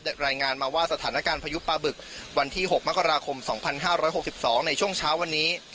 เด็ดรายงานมาว่าสถานการณ์พายุปาบึกวันที่หกมหกราคมสองพันห้าร้อยหกสิบสองในช่วงเช้าวันนี้